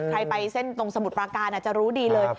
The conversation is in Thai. ไปเส้นตรงสมุทรปราการจะรู้ดีเลย